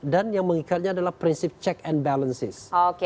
dan yang mengikatnya adalah prinsip check and balances